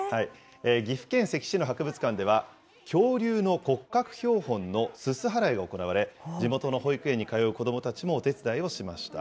岐阜県関市の博物館では、恐竜の骨格標本のすす払いが行われ、地元の保育園に通う子どもたちもお手伝いをしました。